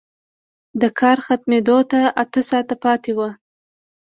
د کار ختمېدو ته اته ساعته پاتې وو